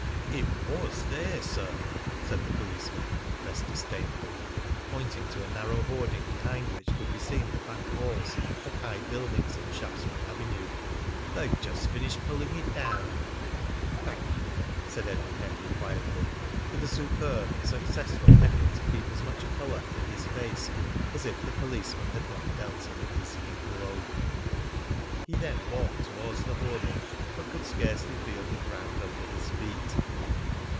"It was there, sir," said the policeman, less disdainful, pointing to a narrow hoarding behind which could be seen the back walls of high buildings in Shaftesbury Avenue. "They've just finished pulling it down." "Thank you," said Edward Henry quietly, with a superb and successful effort to keep as much colour in his face as if the policeman had not dealt him a dizzying blow. He then walked towards the hoarding, but could scarcely feel the ground under his feet.